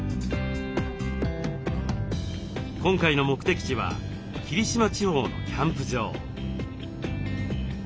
今回の目的地は霧島地方のキャンプ場。